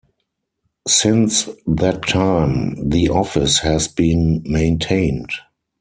Since that time, the office has been maintained.